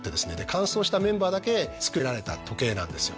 完走したメンバーだけ作られた時計なんですよ。